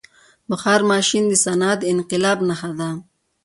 • بخار ماشین د صنعتي انقلاب نښه ده.